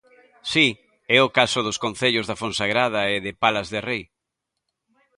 Si, é o caso dos concellos da Fonsagrada e de Palas de Rei.